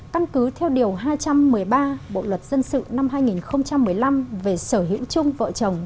căn cứ theo điều hai trăm một mươi ba bộ luật dân sự năm hai nghìn một mươi năm về sở hữu chung vợ chồng